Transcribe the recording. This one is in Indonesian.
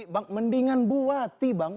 bang mendingan buati bang